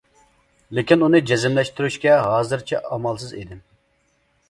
لېكىن ئۇنى جەزملەشتۈرۈشكە ھازىرچە ئامالسىز ئىدىم.